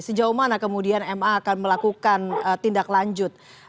sejauh mana kemudian ma akan melakukan tindak lanjut